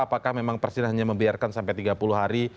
apakah memang presiden hanya membiarkan sampai tiga puluh hari